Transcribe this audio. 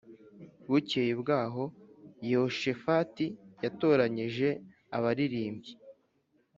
Bukeye bwaho Yehoshafati yatoranyije abaririmbyi